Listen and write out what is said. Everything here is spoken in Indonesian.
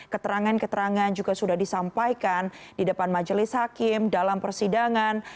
keterangan keterangan juga sudah disampaikan di depan majelis hakim dalam persidangan